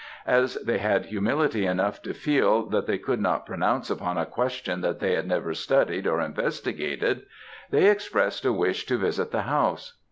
As they had humility enough to feel that they could not pronounce upon a question that they had never studied or investigated, they expressed a wish to visit the house.